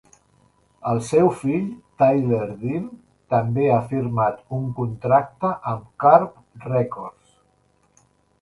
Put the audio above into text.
El seu fill, Tyler Dean, també ha firmat un contracte amb Curb Records.